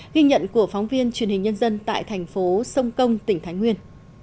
ghi nhận của phóng viên truyền hình nhân dân tại thành phố sông công tỉnh thái nguyên